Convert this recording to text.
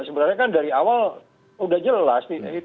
sebenarnya kan dari awal sudah jelas